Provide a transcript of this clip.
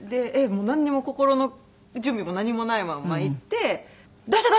なんにも心の準備も何もないまんま行ってどうした？